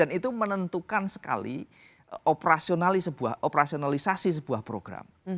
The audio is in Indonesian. dan itu menentukan sekali operasionalisasi sebuah program